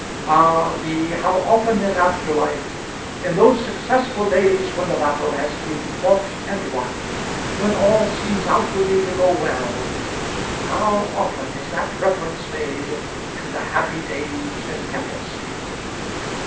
Ah me, how often in after life, in those successful days when the battle has been fought and won, when all seems outwardly to go well, how often is this reference made to the happy days in Keppel Street!